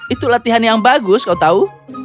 itu latihan yang bagus kau tahu